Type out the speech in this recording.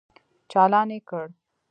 چالان يې کړ.